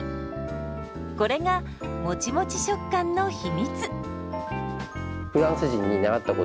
これがもちもち食感の秘密。